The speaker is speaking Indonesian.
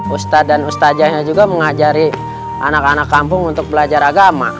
ustadz dan ustajahnya juga mengajari anak anak kampung untuk belajar agama